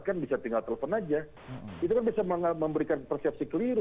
kan bisa tinggal telepon aja itu kan bisa memberikan persepsi keliru